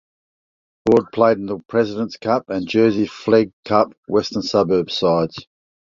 Ford played in the Presidents Cup and Jersey Flegg Cup Western Suburbs sides.